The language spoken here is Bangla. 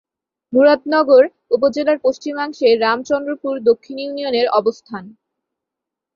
মুরাদনগর উপজেলার পশ্চিমাংশে রামচন্দ্রপুর দক্ষিণ ইউনিয়নের অবস্থান।